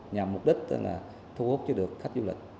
nhằm mục đích là thu hút cho được khách du lịch